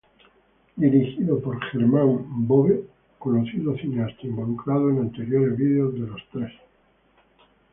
Dirigido por Germán Bobe, conocido cineasta involucrado en anteriores videos de Los Tres.